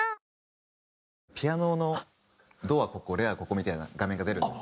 ピアノの「ド」はここ「レ」はここみたいな画面が出るんです。